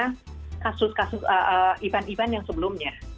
karena kasus kasus event event yang sebelumnya